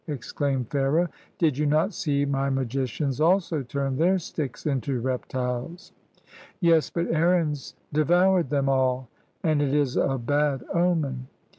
ex claimed Pharaoh; "did you not see my magicians also turn their sticks into reptiles?" "Yes, but Aaron's devoured them all, and it is a bad omen."